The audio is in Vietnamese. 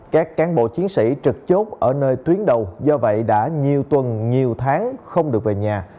các cán bộ chiến sĩ trực chốt ở nơi tuyến đầu do vậy đã nhiều tuần nhiều tháng không được về nhà